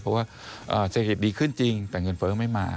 เพราะว่าเศรษฐกิจดีขึ้นจริงแต่เงินเฟ้อไม่มา